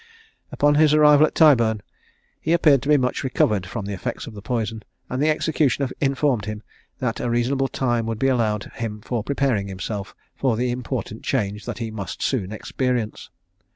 Upon his arrival at Tyburn he appeared to be much recovered from the effects of the poison; and the executioner informed him that a reasonable time would be allowed him for preparing himself for the important change that he must soon experience.